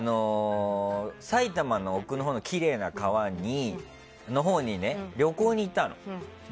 埼玉の奥のほうのきれいな川のほうに旅行に行ったの。